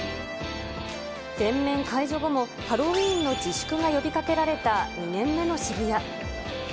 全面解除後もハロウィーンの自粛が呼びかけられた２年目の渋谷。